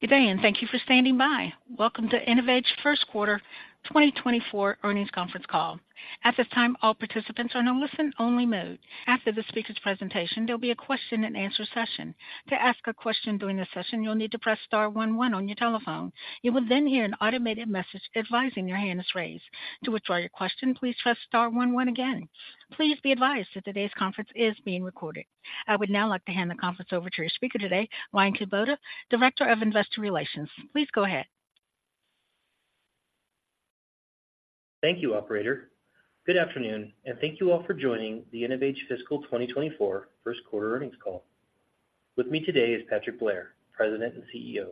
Good day, and thank you for standing by. Welcome to InnovAge Q1 2024 Earnings Conference Call. At this time, all participants are in a listen-only mode. After the speaker's presentation, there'll be a question-and-answer session. To ask a question during this session, you'll need to press star one one on your telephone. You will then hear an automated message advising your hand is raised. To withdraw your question, please press star one one again. Please be advised that today's conference is being recorded. I would now like to hand the conference over to your speaker today, Ryan Kubota, Director of Investor Relations. Please go ahead. Thank you, operator. Good afternoon, and thank you all for joining the InnovAge Fiscal 2024 Q1 Earnings Call. With me today is Patrick Blair, President and CEO,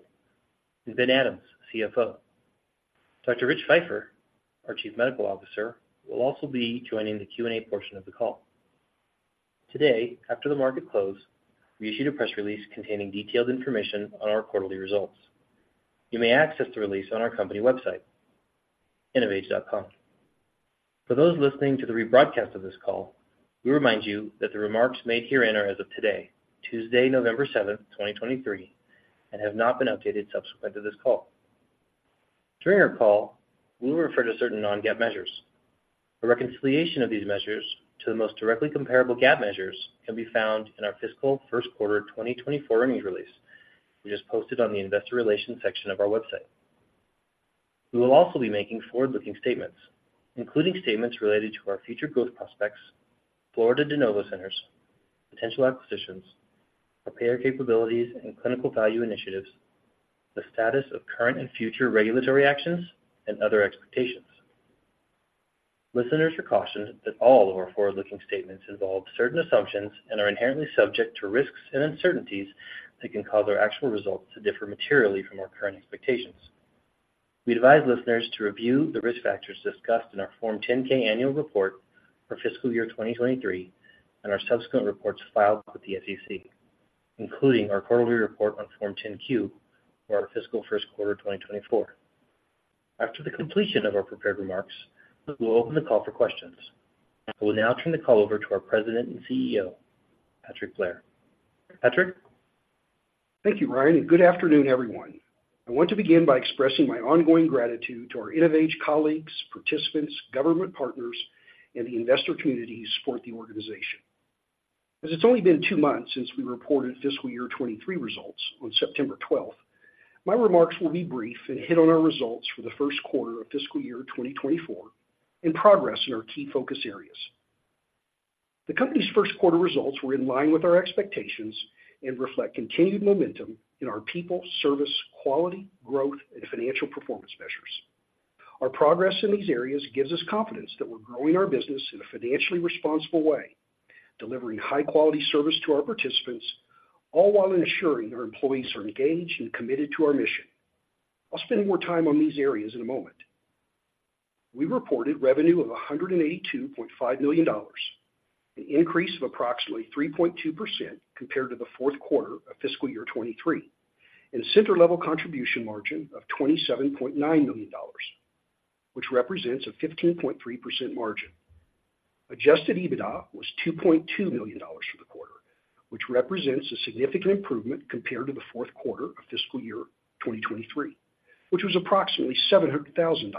and Ben Adams, CFO. Dr. Rich Feifer, our Chief Medical Officer, will also be joining the Q&A portion of the call. Today, after the market close, we issued a press release containing detailed information on our quarterly results. You may access the release on our company website, innovage.com. For those listening to the rebroadcast of this call, we remind you that the remarks made herein are as of today, Tuesday, November 7, 2023, and have not been updated subsequent to this call. During our call, we will refer to certain non-GAAP measures. A reconciliation of these measures to the most directly comparable GAAP measures can be found in our fiscal Q1 2024 earnings release, which is posted on the Investor Relations section of our website. We will also be making forward-looking statements, including statements related to our future growth prospects, Florida de novo centers, potential acquisitions, our payer capabilities and clinical value initiatives, the status of current and future regulatory actions and other expectations. Listeners are cautioned that all of our forward-looking statements involve certain assumptions and are inherently subject to risks and uncertainties that can cause our actual results to differ materially from our current expectations. We advise listeners to review the risk factors discussed in our Form 10-K Annual Report for fiscal 2023 and our subsequent reports filed with the SEC, including our quarterly report on Form 10-Q for our fiscal Q1 2024. After the completion of our prepared remarks, we will open the call for questions. I will now turn the call over to our President and CEO, Patrick Blair. Patrick? Thank you, Ryan, and good afternoon, everyone. I want to begin by expressing my ongoing gratitude to our InnovAge colleagues, participants, government partners, and the investor community who support the organization. As it's only been two months since we reported fiscal year 2023 results on September twelfth, my remarks will be brief and hit on our results for the Q1 of fiscal year 2024 and progress in our key focus areas. The company's Q1 results were in line with our expectations and reflect continued momentum in our people, service, quality, growth, and financial performance measures. Our progress in these areas gives us confidence that we're growing our business in a financially responsible way, delivering high-quality service to our participants, all while ensuring our employees are engaged and committed to our mission. I'll spend more time on these areas in a moment. We reported revenue of $182.5 million, an increase of approximately 3.2% compared to the Q4 of fiscal year 2023, and a Center-Level Contribution Margin of $27.9 million, which represents a 15.3% margin. Adjusted EBITDA was $2.2 million for the quarter, which represents a significant improvement compared to the Q4 of fiscal year 2023, which was approximately $700,000.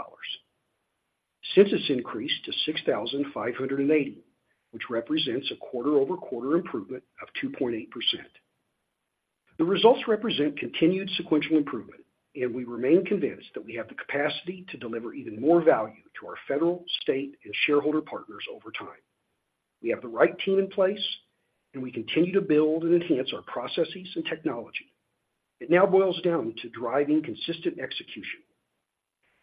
Centers increased to 6,580, which represents a quarter-over-quarter improvement of 2.8%. The results represent continued sequential improvement, and we remain convinced that we have the capacity to deliver even more value to our federal, state, and shareholder partners over time. We have the right team in place, and we continue to build and enhance our processes and technology. It now boils down to driving consistent execution.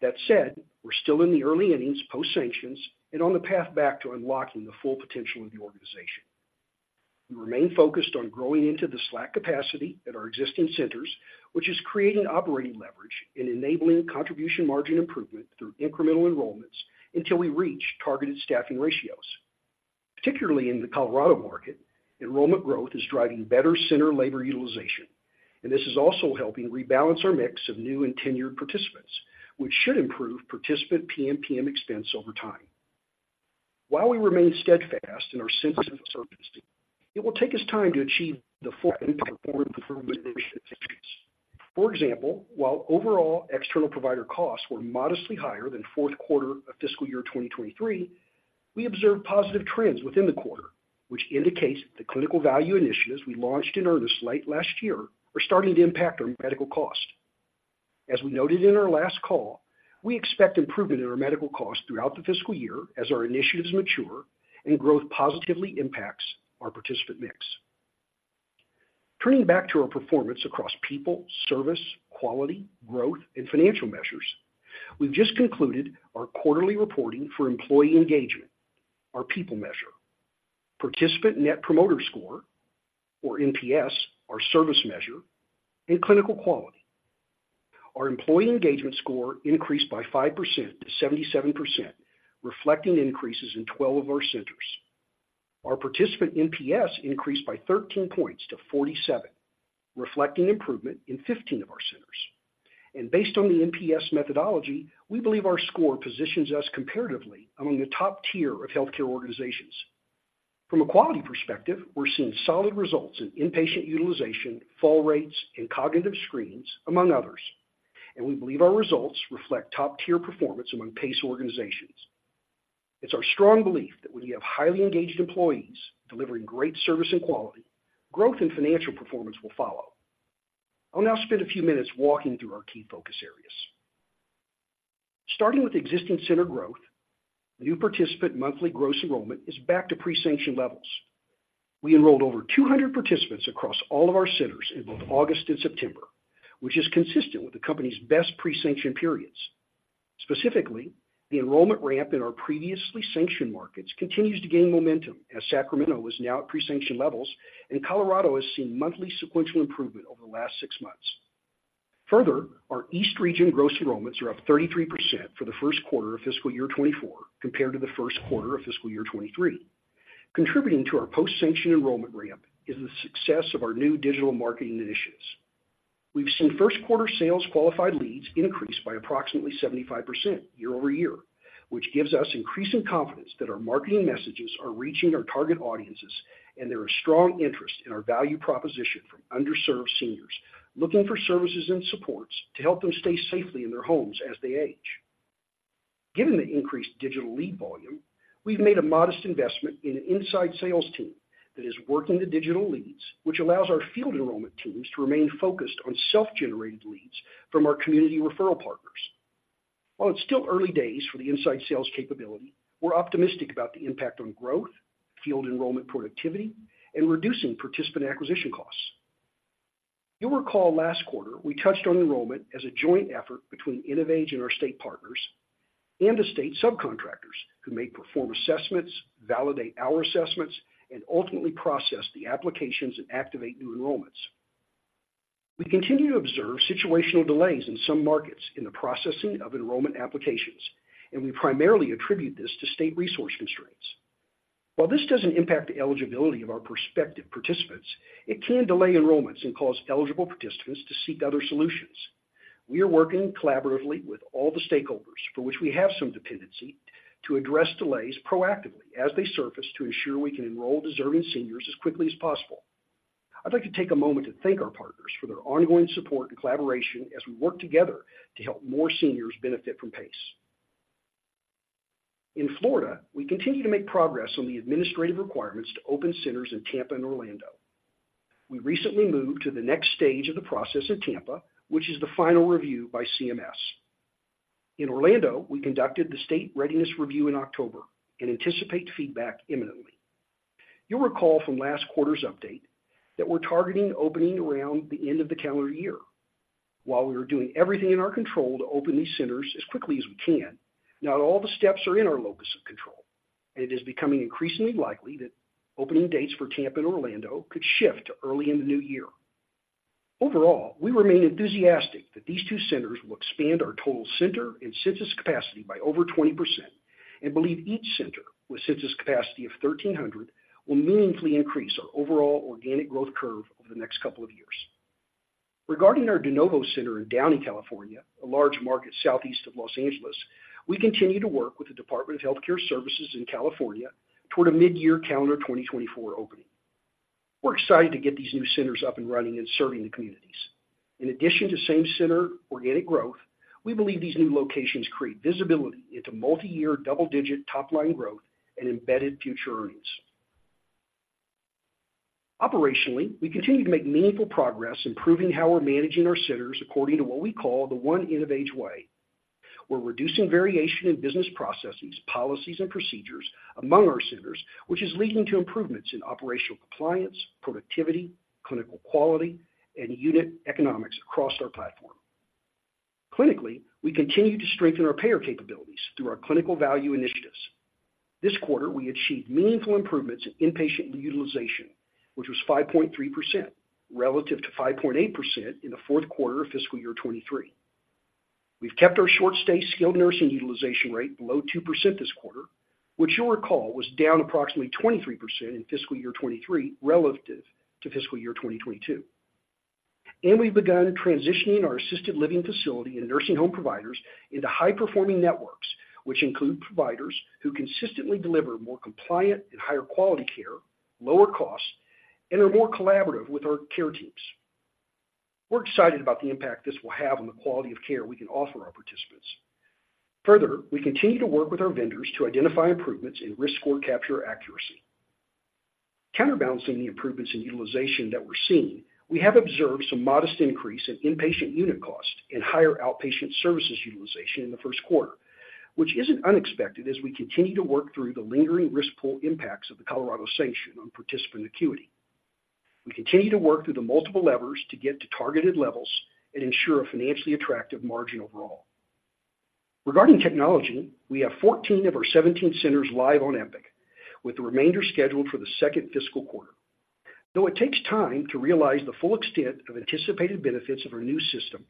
That said, we're still in the early innings, post-sanctions, and on the path back to unlocking the full potential of the organization. We remain focused on growing into the slack capacity at our existing centers, which is creating operating leverage and enabling contribution margin improvement through incremental enrollments until we reach targeted staffing ratios. Particularly in the Colorado market, enrollment growth is driving better center labor utilization, and this is also helping rebalance our mix of new and tenured participants, which should improve participant PPPM expense over time. While we remain steadfast in our sense of service, it will take us time to achieve the full performance. For example, while overall external provider costs were modestly higher than Q4 of fiscal year 2023, we observed positive trends within the quarter, which indicates the clinical value initiatives we launched in earnest late last year are starting to impact our medical costs. As we noted in our last call, we expect improvement in our medical costs throughout the fiscal year as our initiatives mature and growth positively impacts our participant mix. Turning back to our performance across people, service, quality, growth, and financial measures, we've just concluded our quarterly reporting for employee engagement, our people measure, participant Net Promoter Score or NPS, our service measure, and clinical quality. Our employee engagement score increased by 5% to 77%, reflecting increases in 12 of our centers. Our participant NPS increased by 13 points to 47, reflecting improvement in 15 of our centers. Based on the NPS methodology, we believe our score positions us comparatively among the top tier of healthcare organizations. From a quality perspective, we're seeing solid results in inpatient utilization, fall rates, and cognitive screens, among others, and we believe our results reflect top-tier performance among PACE organizations. It's our strong belief that when you have highly engaged employees delivering great service and quality, growth and financial performance will follow. I'll now spend a few minutes walking through our key focus areas. Starting with existing center growth, new participant monthly gross enrollment is back to pre-sanction levels. We enrolled over 200 participants across all of our centers in both August and September, which is consistent with the company's best pre-sanction periods. Specifically, the enrollment ramp in our previously sanctioned markets continues to gain momentum, as Sacramento is now at pre-sanction levels, and Colorado has seen monthly sequential improvement over the last six months. Further, our East region gross enrollments are up 33% for the Q1 of fiscal year 2024, compared to the Q1 of fiscal year 2023. Contributing to our post-sanction enrollment ramp is the success of our new digital marketing initiatives. We've seen Q1 sales-qualified leads increase by approximately 75% year-over-year, which gives us increasing confidence that our marketing messages are reaching our target audiences, and there is strong interest in our value proposition from underserved seniors looking for services and supports to help them stay safely in their homes as they age. Given the increased digital lead volume, we've made a modest investment in an inside sales team that is working the digital leads, which allows our field enrollment teams to remain focused on self-generated leads from our community referral partners. While it's still early days for the inside sales capability, we're optimistic about the impact on growth, field enrollment productivity, and reducing participant acquisition costs. You'll recall last quarter, we touched on enrollment as a joint effort between InnovAge and our state partners and the state subcontractors who may perform assessments, validate our assessments, and ultimately process the applications and activate new enrollments. We continue to observe situational delays in some markets in the processing of enrollment applications, and we primarily attribute this to state resource constraints. While this doesn't impact the eligibility of our prospective participants, it can delay enrollments and cause eligible participants to seek other solutions. We are working collaboratively with all the stakeholders for which we have some dependency, to address delays proactively as they surface, to ensure we can enroll deserving seniors as quickly as possible. I'd like to take a moment to thank our partners for their ongoing support and collaboration as we work together to help more seniors benefit from PACE. In Florida, we continue to make progress on the administrative requirements to open centers in Tampa and Orlando. We recently moved to the next stage of the process in Tampa, which is the final review by CMS. In Orlando, we conducted the state readiness review in October and anticipate feedback imminently. You'll recall from last quarter's update that we're targeting opening around the end of the calendar year. While we are doing everything in our control to open these centers as quickly as we can, not all the steps are in our locus of control, and it is becoming increasingly likely that opening dates for Tampa and Orlando could shift to early in the new year. Overall, we remain enthusiastic that these two centers will expand our total center and census capacity by over 20% and believe each center, with a census capacity of 1,300, will meaningfully increase our overall organic growth curve over the next couple of years. Regarding our de novo center in Downey, California, a large market southeast of Los Angeles, we continue to work with the Department of Health Care Services in California toward a mid-year calendar 2024 opening. We're excited to get these new centers up and running and serving the communities. In addition to same-center organic growth, we believe these new locations create visibility into multi-year, double-digit top-line growth and embedded future earnings. Operationally, we continue to make meaningful progress improving how we're managing our centers according to what we call the One InnovAge Way. We're reducing variation in business processes, policies, and procedures among our centers, which is leading to improvements in operational compliance, productivity, clinical quality, and unit economics across our platform. Clinically, we continue to strengthen our payer capabilities through our clinical value initiatives. This quarter, we achieved meaningful improvements in inpatient utilization, which was 5.3% relative to 5.8% in the Q4 of fiscal year 2023. We've kept our short stay skilled nursing utilization rate below 2% this quarter, which you'll recall was down approximately 23% in fiscal year 2023 relative to fiscal year 2022. We've begun transitioning our assisted living facility and nursing home providers into high-performing networks, which include providers who consistently deliver more compliant and higher quality care, lower costs, and are more collaborative with our care teams. We're excited about the impact this will have on the quality of care we can offer our participants. Further, we continue to work with our vendors to identify improvements in Risk Score capture accuracy. Counterbalancing the improvements in utilization that we're seeing, we have observed some modest increase in inpatient unit costs and higher outpatient services utilization in the first quarter, which isn't unexpected as we continue to work through the lingering risk pool impacts of the Colorado sanction on participant acuity. We continue to work through the multiple levers to get to targeted levels and ensure a financially attractive margin overall. Regarding technology, we have 14 of our 17 centers live on Epic, with the remainder scheduled for the second fiscal quarter. Though it takes time to realize the full extent of anticipated benefits of our new system,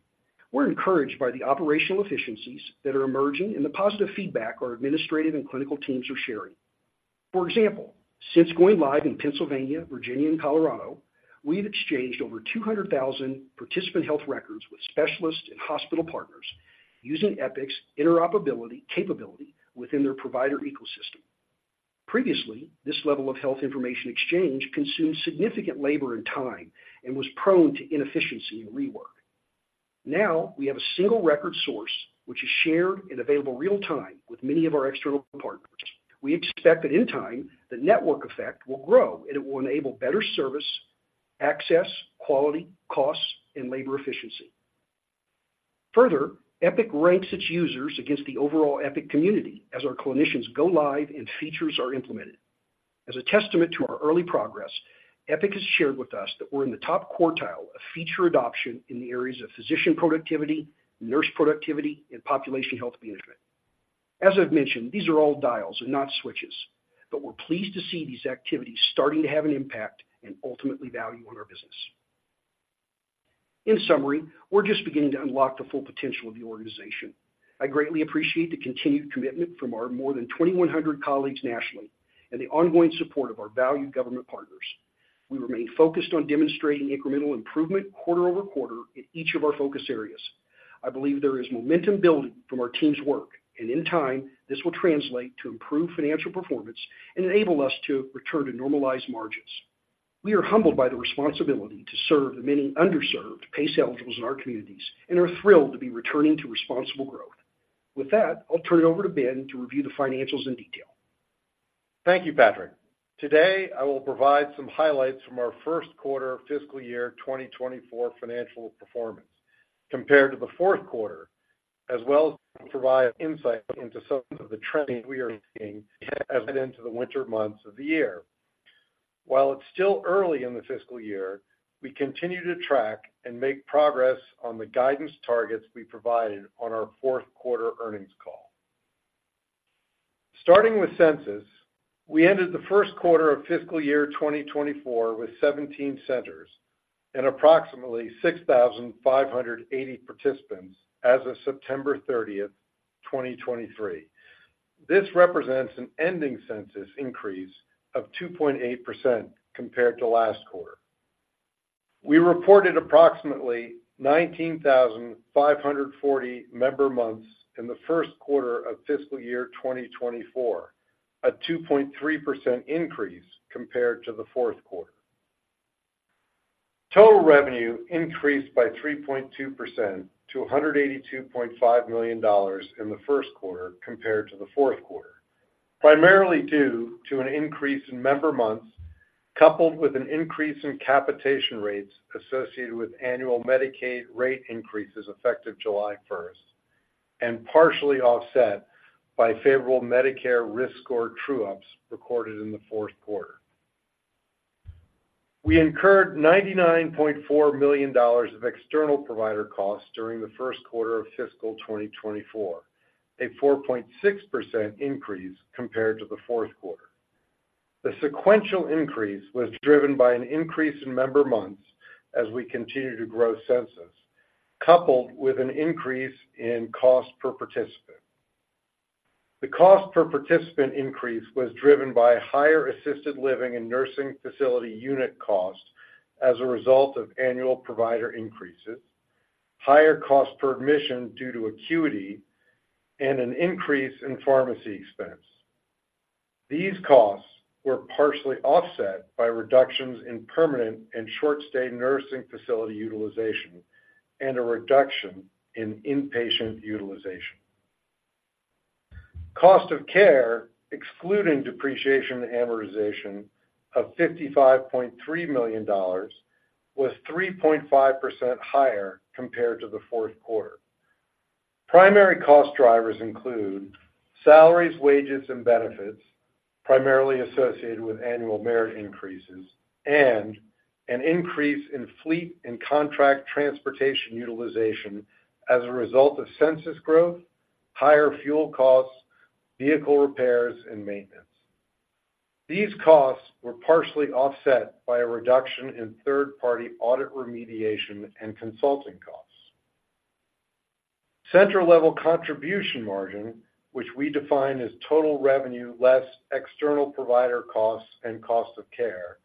we're encouraged by the operational efficiencies that are emerging and the positive feedback our administrative and clinical teams are sharing. For example, since going live in Pennsylvania, Virginia, and Colorado, we've exchanged over 200,000 participant health records with specialists and hospital partners, using Epic's interoperability capability within their provider ecosystem. Previously, this level of health information exchange consumed significant labor and time and was prone to inefficiency and rework Now, we have a single record source, which is shared and available real-time with many of our external partners. We expect that in time, the network effect will grow, and it will enable better service, access, quality, costs, and labor efficiency. Further, Epic ranks its users against the overall Epic community as our clinicians go live and features are implemented. As a testament to our early progress, Epic has shared with us that we're in the top quartile of feature adoption in the areas of physician productivity, nurse productivity, and population health management. As I've mentioned, these are all dials and not switches, but we're pleased to see these activities starting to have an impact and ultimately value on our business. In summary, we're just beginning to unlock the full potential of the organization. I greatly appreciate the continued commitment from our more than 2,100 colleagues nationally and the ongoing support of our valued government partners. We remain focused on demonstrating incremental improvement quarter-over-quarter in each of our focus areas. I believe there is momentum building from our team's work, and in time, this will translate to improved financial performance and enable us to return to normalized margins. We are humbled by the responsibility to serve the many underserved PACE eligibles in our communities and are thrilled to be returning to responsible growth. With that, I'll turn it over to Ben to review the financials in detail. Thank you, Patrick. Today, I will provide some highlights from our Q1 fiscal year 2024 financial performance compared to the Q4, as well as provide insight into some of the trends we are seeing as we head into the winter months of the year. While it's still early in the fiscal year, we continue to track and make progress on the guidance targets we provided on our Q4 earnings call. Starting with census, we ended the Q1 of fiscal year 2024 with 17 centers and approximately 6,580 participants as of September 30, 2023. This represents an ending census increase of 2.8% compared to last quarter. We reported approximately 19,540 member months in the Q1 of fiscal year 2024, a 2.3% increase compared to the fourth quarter. Total revenue increased by 3.2% to $182.5 million in the Q1 compared to the fourth quarter, primarily due to an increase in member months, coupled with an increase in capitation rates associated with annual Medicaid rate increases effective July first, and partially offset by favorable Medicare risk score true-ups recorded in the fourth quarter. We incurred $99.4 million of external provider costs during the Q1 of fiscal 2024, a 4.6% increase compared to the fourth quarter. The sequential increase was driven by an increase in member months as we continue to grow census, coupled with an increase in cost per participant. The cost per participant increase was driven by higher assisted living and nursing facility unit costs as a result of annual provider increases, higher cost per admission due to acuity, and an increase in pharmacy expense. These costs were partially offset by reductions in permanent and short-stay nursing facility utilization and a reduction in inpatient utilization. Cost of care, excluding depreciation and amortization of $55.3 million, was 3.5% higher compared to the fourth quarter. Primary cost drivers include salaries, wages, and benefits, primarily associated with annual merit increases, and an increase in fleet and contract transportation utilization as a result of census growth, higher fuel costs, vehicle repairs, and maintenance. These costs were partially offset by a reduction in third-party audit remediation and consulting costs. Center-Level Contribution Margin, which we define as total revenue less external provider costs and cost of care,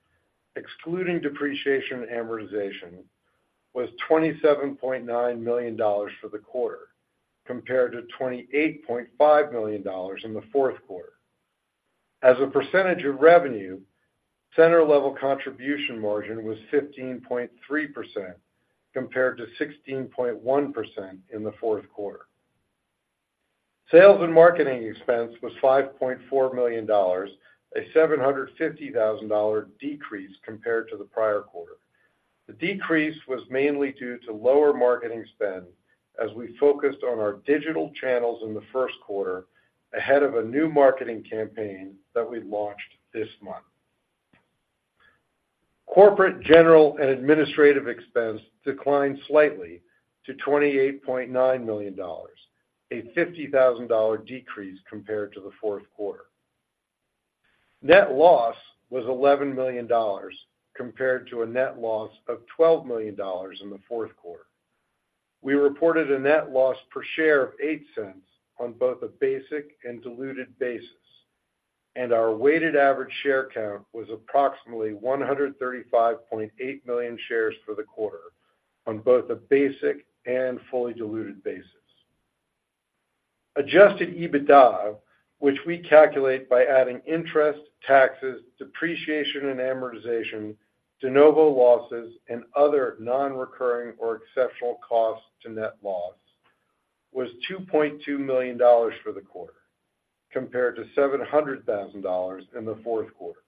excluding depreciation and amortization, was $27.9 million for the quarter, compared to $28.5 million in the fourth quarter. As a percentage of revenue, Center-Level Contribution Margin was 15.3%, compared to 16.1% in the fourth quarter. Sales and marketing expense was $5.4 million, a $750,000 decrease compared to the prior quarter. The decrease was mainly due to lower marketing spend as we focused on our digital channels in the first quarter, ahead of a new marketing campaign that we launched this month. Corporate, general, and administrative expense declined slightly to $28.9 million, a $50,000 decrease compared to the fourth quarter. Net loss was $11 million, compared to a net loss of $12 million in the fourth quarter. We reported a net loss per share of $0.08 on both a basic and diluted basis, and our weighted average share count was approximately 135.8 million shares for the quarter on both a basic and fully diluted basis. Adjusted EBITDA, which we calculate by adding interest, taxes, depreciation and amortization, de novo losses, and other nonrecurring or exceptional costs to net loss, was $2.2 million for the quarter, compared to $700,000 in the fourth quarter.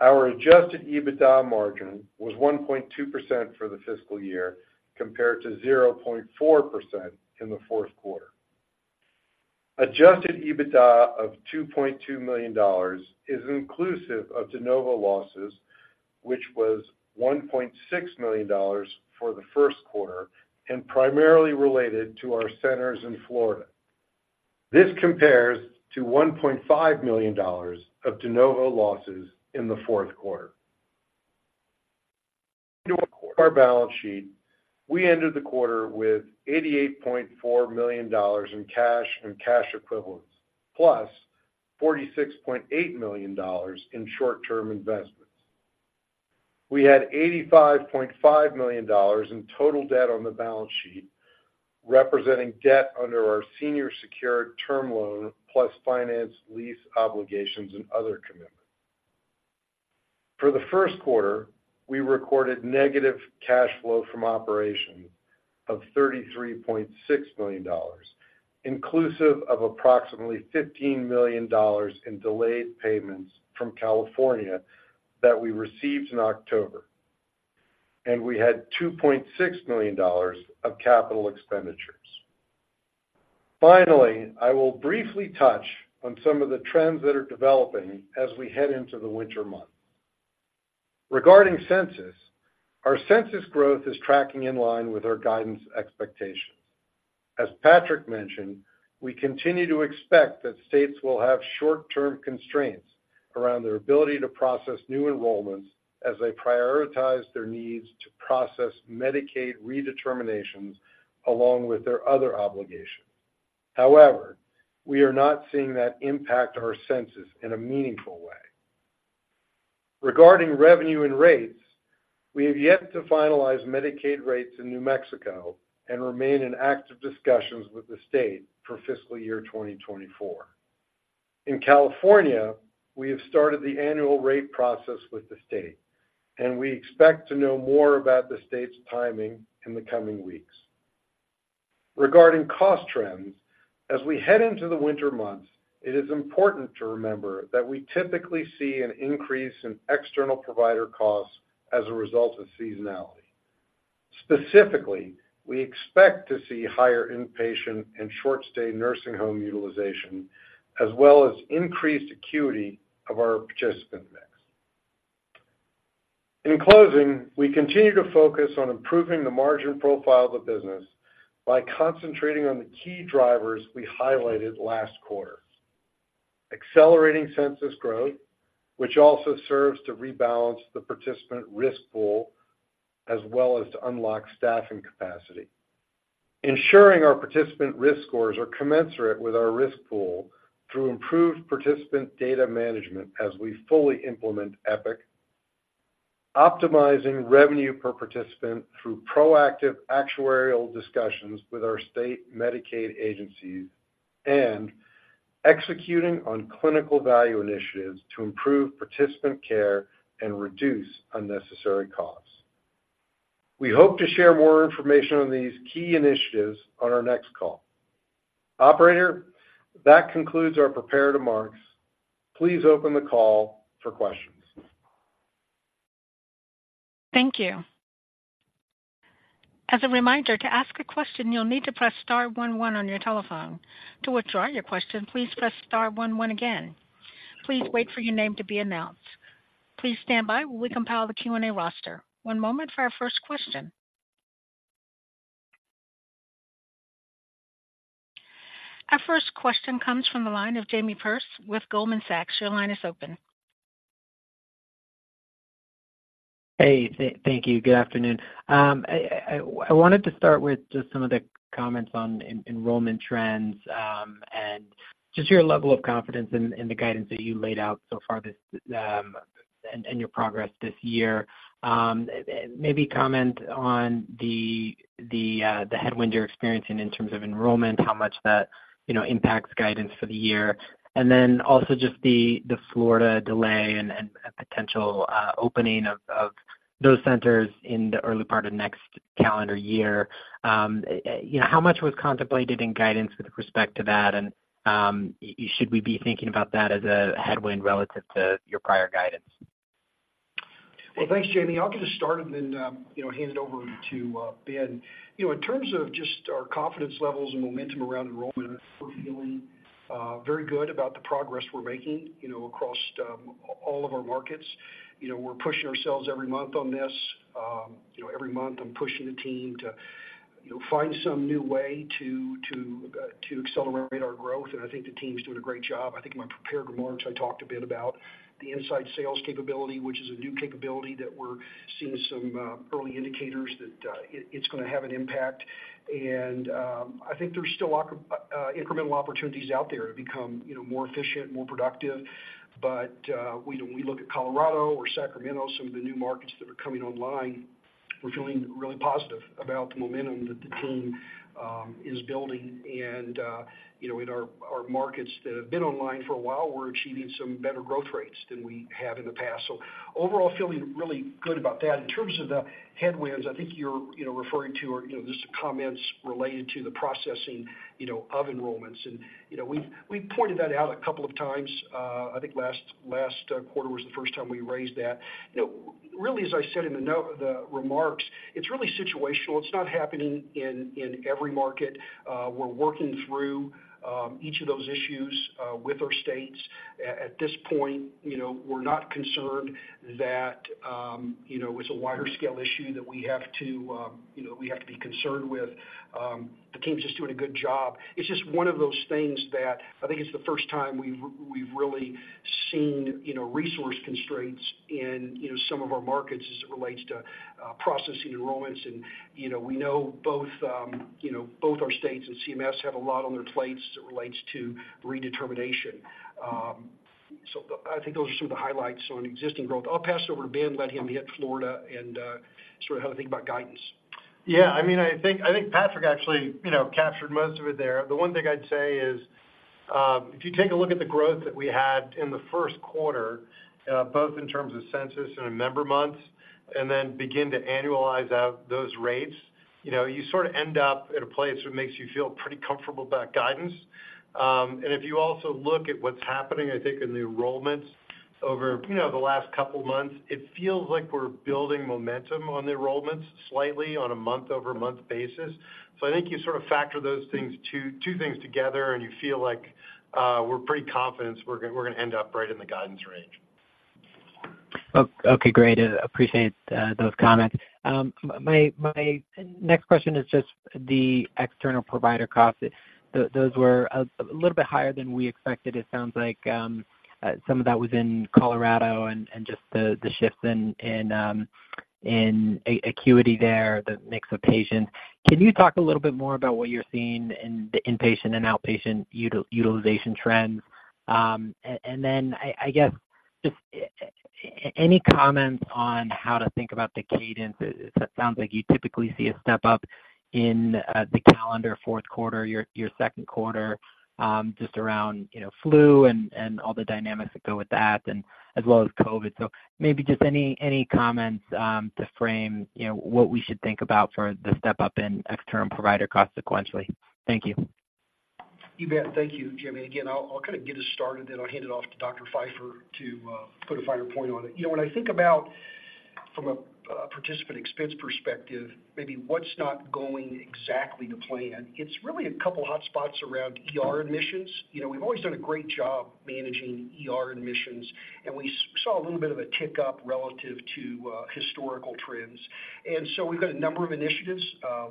Our adjusted EBITDA margin was 1.2% for the fiscal year, compared to 0.4% in the fourth quarter. Adjusted EBITDA of $2.2 million is inclusive of de novo losses, which was $1.6 million for the Q1 and primarily related to our centers in Florida. This compares to $1.5 million of de novo losses in the fourth quarter. Our balance sheet, we ended the quarter with $88.4 million in cash and cash equivalents, plus $46.8 million in short-term investments. We had $85.5 million in total debt on the balance sheet, representing debt under our senior secured term loan, plus finance lease obligations and other commitments. For the first quarter, we recorded negative cash flow from operations of $33.6 million, inclusive of approximately $15 million in delayed payments from California that we received in October, and we had $2.6 million of capital expenditures. Finally, I will briefly touch on some of the trends that are developing as we head into the winter months. Regarding census, our census growth is tracking in line with our guidance expectations. As Patrick mentioned, we continue to expect that states will have short-term constraints around their ability to process new enrollments as they prioritize their needs to process Medicaid redeterminations along with their other obligations. However, we are not seeing that impact our census in a meaningful way. Regarding revenue and rates, we have yet to finalize Medicaid rates in New Mexico and remain in active discussions with the state for fiscal year 2024. In California, we have started the annual rate process with the state, and we expect to know more about the state's timing in the coming weeks. Regarding cost trends, as we head into the winter months, it is important to remember that we typically see an increase in external provider costs as a result of seasonality. Specifically, we expect to see higher inpatient and short-stay nursing home utilization, as well as increased acuity of our participant mix. In closing, we continue to focus on improving the margin profile of the business by concentrating on the key drivers we highlighted last quarter: accelerating census growth, which also serves to rebalance the participant risk pool, as well as to unlock staffing capacity. Ensuring our participant risk scores are commensurate with our risk pool through improved participant data management as we fully implement Epic, optimizing revenue per participant through proactive actuarial discussions with our state Medicaid agencies, and executing on clinical value initiatives to improve participant care and reduce unnecessary costs. We hope to share more information on these key initiatives on our next call. Operator, that concludes our prepared remarks. Please open the call for questions. Thank you. As a reminder, to ask a question, you'll need to press star one, one on your telephone. To withdraw your question, please press star one, one again. Please wait for your name to be announced. Please stand by while we compile the Q&A roster. One moment for our first question. Our first question comes from the line of Jamie Perse with Goldman Sachs. Your line is open. Hey, thank you. Good afternoon. I wanted to start with just some of the comments on enrollment trends, and just your level of confidence in the guidance that you laid out so far this year, and your progress this year. Maybe comment on the headwind you're experiencing in terms of enrollment, how much that, you know, impacts guidance for the year. And then also just the Florida delay and potential opening of those centers in the early part of next calendar year. You know, how much was contemplated in guidance with respect to that? And should we be thinking about that as a headwind relative to your prior guidance? Well, thanks, Jamie. I'll get us started and then, you know, hand it over to Ben. You know, in terms of just our confidence levels and momentum around enrollment, we're feeling very good about the progress we're making, you know, across all of our markets. You know, we're pushing ourselves every month on this. You know, every month I'm pushing the team to, you know, find some new way to to accelerate our growth, and I think the team's doing a great job. I think in my prepared remarks, I talked a bit about the inside sales capability, which is a new capability that we're seeing some early indicators that it's going to have an impact. And, I think there's still incremental opportunities out there to become, you know, more efficient, more productive. But when we look at Colorado or Sacramento, some of the new markets that are coming online, we're feeling really positive about the momentum that the team is building. And you know, in our markets that have been online for a while, we're achieving some better growth rates than we have in the past. So overall, feeling really good about that. In terms of the headwinds, I think you're you know, referring to, or you know, just comments related to the processing you know, of enrollments. And you know, we've pointed that out a couple of times. I think last quarter was the first time we raised that. You know, really, as I said in the note, the remarks, it's really situational. It's not happening in every market. We're working through each of those issues with our states. At this point, you know, we're not concerned that, you know, it's a wider-scale issue that we have to, you know, we have to be concerned with. The team's just doing a good job. It's just one of those things that I think it's the first time we've really seen, you know, resource constraints in, you know, some of our markets as it relates to processing enrollments. And, you know, we know both, you know, both our states and CMS have a lot on their plates as it relates to redetermination. So I think those are some of the highlights on existing growth. I'll pass it over to Ben, let him hit Florida and sort of how to think about guidance. Yeah, I mean, I think Patrick actually, you know, captured most of it there. The one thing I'd say is, if you take a look at the growth that we had in the first quarter, both in terms of census and in member months, and then begin to annualize out those rates, you know, you sort of end up at a place that makes you feel pretty comfortable about guidance. And if you also look at what's happening, I think, in the enrollments over, you know, the last couple of months, it feels like we're building momentum on the enrollments slightly on a month-over-month basis. So I think you sort of factor those two things together, and you feel like, we're pretty confident we're gonna end up right in the guidance range. Okay, great. I appreciate those comments. My next question is just the external provider costs. Those were a little bit higher than we expected. It sounds like some of that was in Colorado and just the shifts in acuity there, the mix of patients. Can you talk a little bit more about what you're seeing in the inpatient and outpatient utilization trends? And then, I guess, just any comments on how to think about the cadence? It sounds like you typically see a step up in the calendar fourth quarter, your second quarter, just around, you know, flu and all the dynamics that go with that, and as well as COVID. So maybe just any, any comments to frame, you know, what we should think about for the step up in external provider costs sequentially? Thank you. You bet. Thank you, Jamie. Again, I'll kind of get us started, then I'll hand it off to Dr. Feifer to put a finer point on it. You know, when I think about from a participant expense perspective, maybe what's not going exactly to plan, it's really a couple of hotspots around ER admissions. You know, we've always done a great job managing ER admissions, and we saw a little bit of a tick-up relative to historical trends. And so we've got a number of initiatives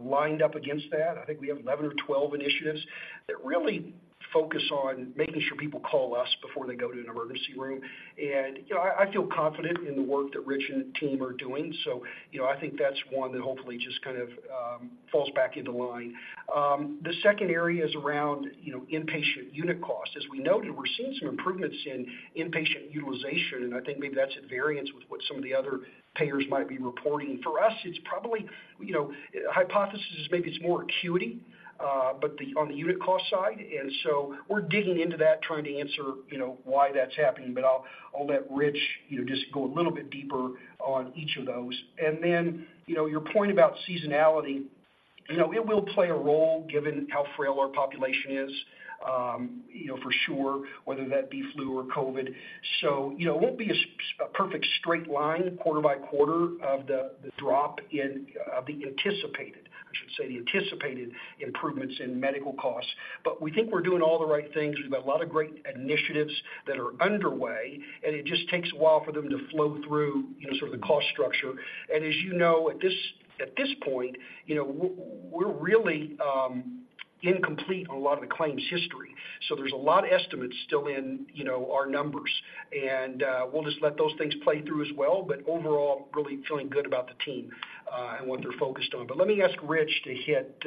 lined up against that. I think we have 11 or 12 initiatives that really focus on making sure people call us before they go to an emergency room. And, you know, I feel confident in the work that Rich and the team are doing. So, you know, I think that's one that hopefully just kind of falls back into line. The second area is around, you know, inpatient unit cost. As we noted, we're seeing some improvements in inpatient utilization, and I think maybe that's at variance with what some of the other payers might be reporting. For us, it's probably, you know, hypothesis is maybe it's more acuity, but on the unit cost side. And so we're digging into that, trying to answer, you know, why that's happening. But I'll let Rich, you know, just go a little bit deeper on each of those. And then, you know, your point about seasonality, you know, it will play a role, given how frail our population is, you know, for sure, whether that be flu or COVID. So, you know, it won't be a perfect straight line, quarter-by-quarter, of the drop in the anticipated, I should say, the anticipated improvements in medical costs. But we think we're doing all the right things. We've got a lot of great initiatives that are underway, and it just takes a while for them to flow through, you know, sort of the cost structure. And as you know, at this point, you know, we're really incomplete on a lot of the claims history. So there's a lot of estimates still in, you know, our numbers, and we'll just let those things play through as well. But overall, really feeling good about the team and what they're focused on. But let me ask Rich to hit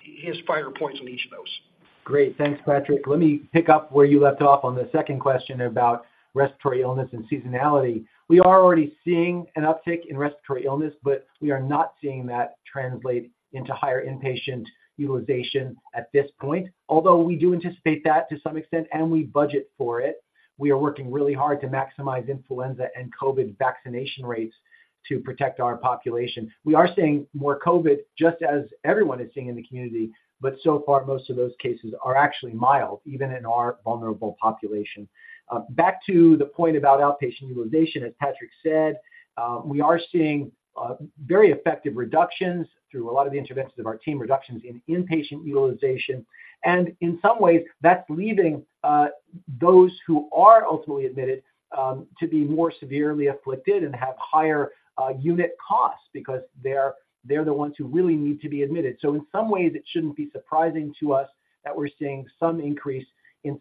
his finer points on each of those. Great. Thanks, Patrick. Let me pick up where you left off on the second question about respiratory illness and seasonality. We are already seeing an uptick in respiratory illness, but we are not seeing that translate into higher inpatient utilization at this point, although we do anticipate that to some extent, and we budget for it. We are working really hard to maximize influenza and COVID vaccination rates to protect our population. We are seeing more COVID, just as everyone is seeing in the community, but so far, most of those cases are actually mild, even in our vulnerable population. Back to the point about outpatient utilization, as Patrick said, we are seeing very effective reductions through a lot of the interventions of our team, reductions in inpatient utilization. In some ways, that's leaving those who are ultimately admitted to be more severely afflicted and have higher unit costs because they're the ones who really need to be admitted. So in some ways, it shouldn't be surprising to us that we're seeing some increase in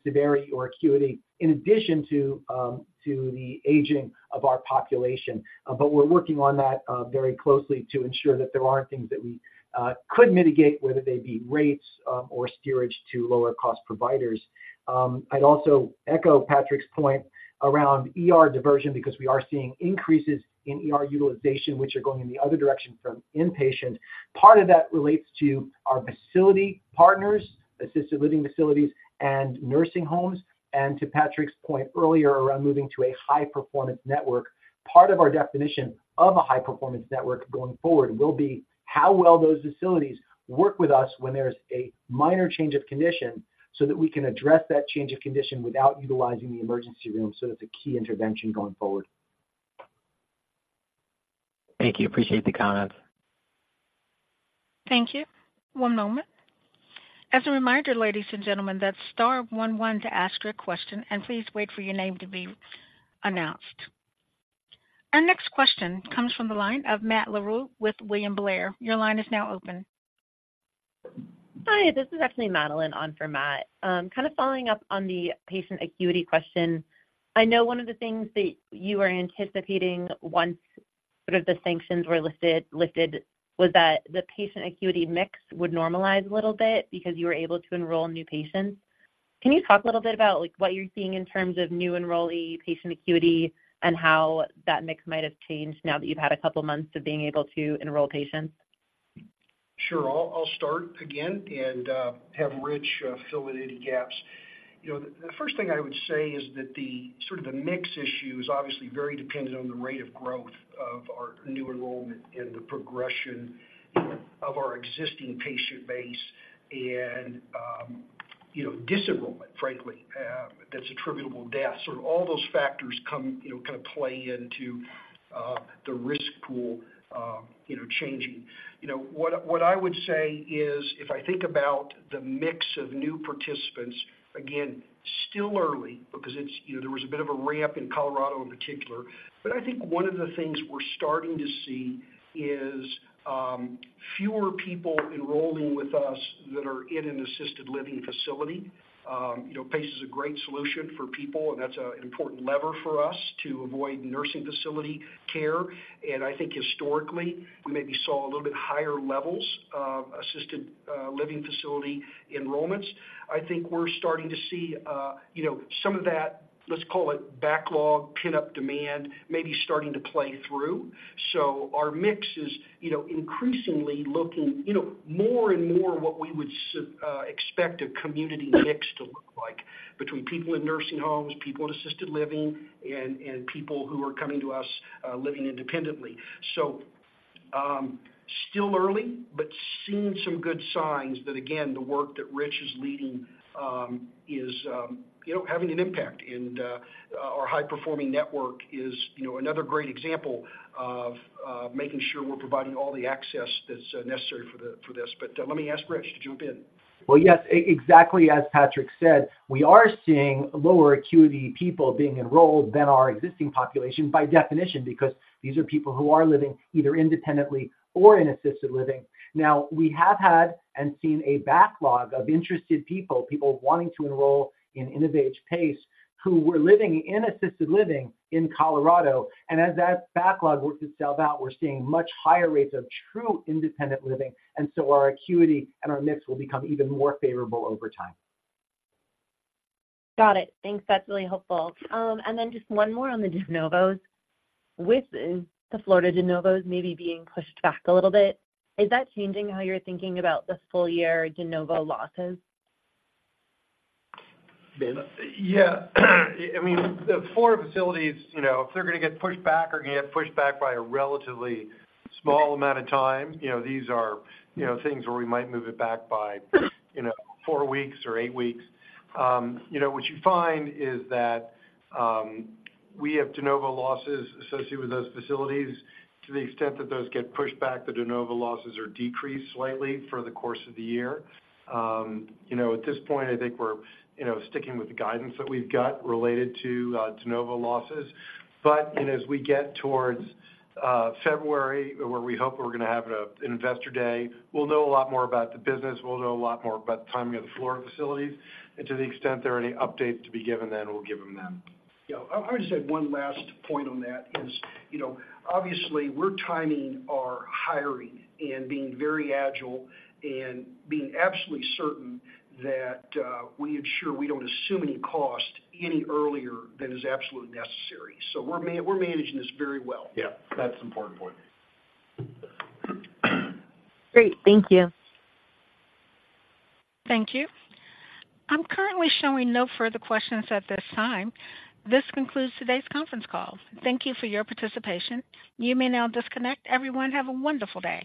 severity or acuity, in addition to the aging of our population. But we're working on that very closely to ensure that there aren't things that we could mitigate, whether they be rates or steerage to lower-cost providers. I'd also echo Patrick's point around ER diversion because we are seeing increases in ER utilization, which are going in the other direction from inpatient. Part of that relates to our facility partners, assisted living facilities, and nursing homes, and to Patrick's point earlier around moving to a high-performance network. Part of our definition of a high-performance network going forward will be how well those facilities work with us when there's a minor change of condition, so that we can address that change of condition without utilizing the emergency room. That's a key intervention going forward. Thank you. Appreciate the comments. Thank you. One moment. As a reminder, ladies and gentlemen, that's star one one to ask your question, and please wait for your name to be announced. Our next question comes from the line of Matt Larew with William Blair. Your line is now open. Hi, this is actually Madeline on for Matt. Kind of following up on the patient acuity question. I know one of the things that you were anticipating once sort of the sanctions were listed, lifted, was that the patient acuity mix would normalize a little bit because you were able to enroll new patients. Can you talk a little bit about, like, what you're seeing in terms of new enrollee patient acuity and how that mix might have changed now that you've had a couple months of being able to enroll patients? Sure. I'll start again and have Rich fill in any gaps. You know, the first thing I would say is that the sort of the mix issue is obviously very dependent on the rate of growth of our new enrollment and the progression of our existing patient base and, you know, disenrollment, frankly, that's attributable to death. Sort of all those factors come, you know, kind of play into the risk pool, you know, changing. You know, what I would say is, if I think about the mix of new participants, again, still early, because it's, you know, there was a bit of a ramp in Colorado in particular. But I think one of the things we're starting to see is, fewer people enrolling with us that are in an assisted living facility. You know, PACE is a great solution for people, and that's an important lever for us to avoid nursing facility care. And I think historically, we maybe saw a little bit higher levels of assisted, living facility enrollments. I think we're starting to see, you know, some of that, let's call it backlog, pent-up demand, maybe starting to play through. So our mix is, you know, increasingly looking, you know, more and more what we would expect a community mix to look like between people in nursing homes, people in assisted living, and people who are coming to us, living independently. So, still early, but seeing some good signs that, again, the work that Rich is leading, is, you know, having an impact. Our high-performing network is, you know, another great example of making sure we're providing all the access that's necessary for this. But let me ask Rich to jump in. Well, yes, exactly as Patrick said, we are seeing lower acuity people being enrolled than our existing population by definition, because these are people who are living either independently or in assisted living. Now, we have had and seen a backlog of interested people, people wanting to enroll in InnovAge PACE, who were living in assisted living in Colorado, and as that backlog works itself out, we're seeing much higher rates of true independent living, and so our acuity and our mix will become even more favorable over time. Got it. Thanks. That's really helpful. And then just one more on the de novos. With the Florida de novos maybe being pushed back a little bit, is that changing how you're thinking about the full year de novo losses? Ben? Yeah. I mean, the Florida facilities, you know, if they're gonna get pushed back, are gonna get pushed back by a relatively small amount of time. You know, these are, you know, things where we might move it back by, you know, 4 weeks or 8 weeks. You know, what you find is that we have de novo losses associated with those facilities. To the extent that those get pushed back, the de novo losses are decreased slightly for the course of the year. You know, at this point, I think we're, you know, sticking with the guidance that we've got related to de novo losses. But, and as we get towards February, where we hope we're gonna have an investor day, we'll know a lot more about the business, we'll know a lot more about the timing of the Florida facilities, and to the extent there are any updates to be given, then we'll give them then. Yeah. I would just add one last point on that is, you know, obviously we're timing our hiring and being very agile and being absolutely certain that we ensure we don't assume any cost any earlier than is absolutely necessary. So we're managing this very well. Yeah, that's an important point. Great. Thank you. Thank you. I'm currently showing no further questions at this time. This concludes today's conference call. Thank you for your participation. You may now disconnect. Everyone, have a wonderful day.